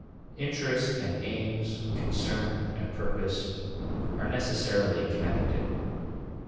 Interest and aims, concern and purpose, are necessarily connected.